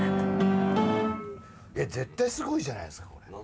絶対すごいじゃないっすか。